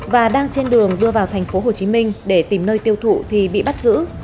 và đang trên đường vừa vào tp hcm để tìm nơi tiêu thụ thì bị bắt giữ